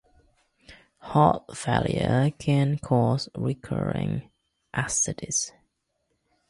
Heart failure can cause recurring ascites.